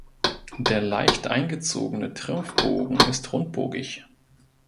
Der leicht eingezogene Triumphbogen ist rundbogig.